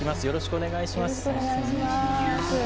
よろしくお願いします。